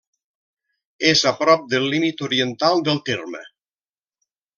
És a prop del límit oriental del terme.